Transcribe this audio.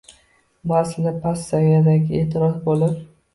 Bu aslida past saviyadagi e’tiroz bo‘lib